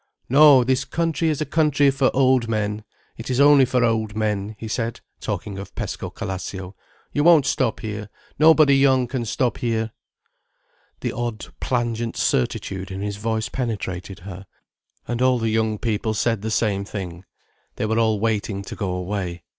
"No, this country is a country for old men. It is only for old men," he said, talking of Pescocalascio. "You won't stop here. Nobody young can stop here." The odd plangent certitude in his voice penetrated her. And all the young people said the same thing. They were all waiting to go away.